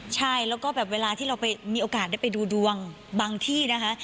ใช่แล้วก็แบบเวลาที่เราไปมีโอกาสได้ไปดูดวงบางที่นะคะ